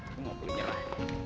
gue nggak boleh nyerah